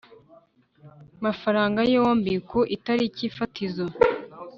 Mafaranga yombi ku itariki fatizo